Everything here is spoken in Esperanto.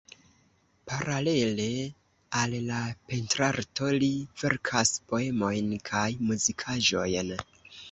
Paralele al la pentrarto li verkas poemojn kaj muzikaĵojn.